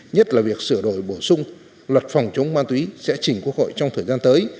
nhất là việc sửa đổi bổ sung luật phòng chống ma túy sẽ chỉnh quốc hội trong thời gian tới